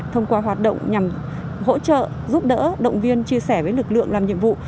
thông qua hoạt động nhằm hỗ trợ giúp đỡ động viên chia sẻ với lực lượng làm nhiệm vụ